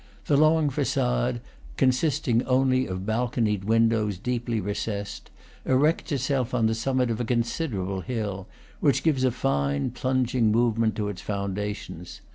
The long facade, consisting only of balconied windows deeply recessed, erects itself on the summit of a considerable hill, which gives a fine, plunging movement to its foundations.